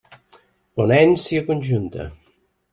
Ponència conjunta.